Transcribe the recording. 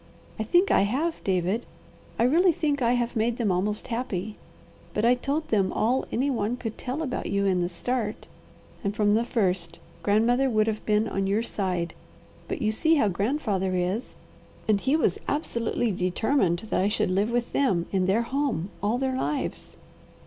I think I have, David. I really think I have made them almost happy. But I told them all any one could tell about you in the start, and from the first grandmother would have been on your side; but you see how grandfather is, and he was absolutely determined that I should live with them, in their home, all their lives.